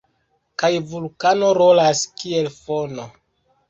Kaj vulkano rolas kiel fono.